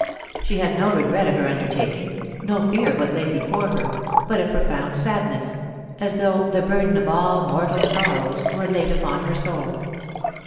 She had no regret of her undertaking, no fear of what lay before her, but a profound sadness, as though the burden of all mortal sorrows were laid upon her soul.